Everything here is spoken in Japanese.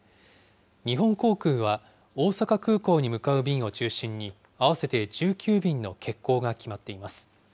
日本航空は、大阪空港に向かう便を中心に、合わせて１９便の欠航が決まっています。